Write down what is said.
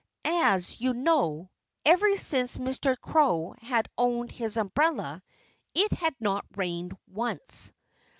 As you know, ever since Mr. Crow had owned his umbrella it had not rained once.